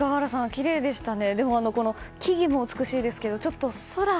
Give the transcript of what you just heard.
きれいでしたね。